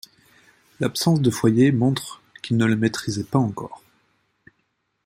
L'absence de foyer montre qu'ils ne le maitrisaient pas encore.